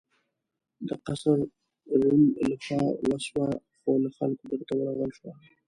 د قیصر روم له خوا وسوه خو له خلکو بېرته ورغول شوه.